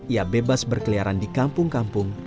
ia bebas berkeliaran di kampung kampung